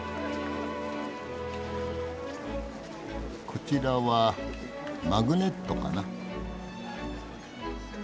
こちらはマグネットかな。